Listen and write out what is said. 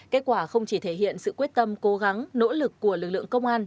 kết quả không chỉ thể hiện sự quyết tâm cố gắng nỗ lực của lực lượng công an